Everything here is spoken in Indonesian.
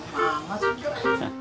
mama masuk yuk